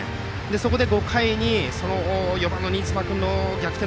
そこで５回に４番の新妻君の逆転